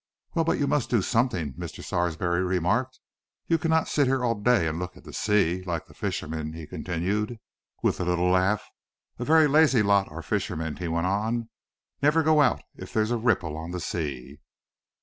"Well, but you must do something!" Mr. Sarsby remarked. "You cannot sit here all day and look at the sea, like the fishermen," he continued, with a little laugh. "A very lazy lot our fishermen," he went on. "Never go out if there's a ripple on the sea."